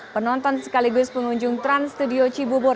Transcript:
penonton sekaligus pengunjung trans studio cibubur